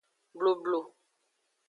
Blublu.